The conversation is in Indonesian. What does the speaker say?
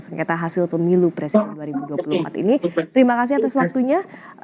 sengketa hasil pemilu presiden dua ribu dua puluh empat ini terima kasih atas waktunya